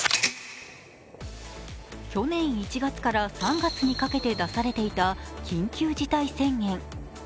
去年１月から３月にかけて出されていた緊急事態宣言。